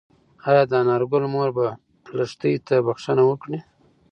ايا د انارګل مور به لښتې ته بښنه وکړي؟